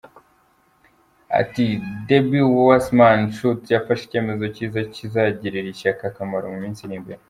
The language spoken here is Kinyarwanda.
Ati “Debbie Wasserman Schultz yafashe icyemezo kiza kizagirira ishyaka akamaro mu minsi iri imbere.